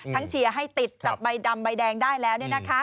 เชียร์ให้ติดจับใบดำใบแดงได้แล้ว